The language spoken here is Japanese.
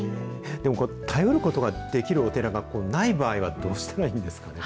でも、頼ることができるお寺がない場合は、どうしたらいいんですかね。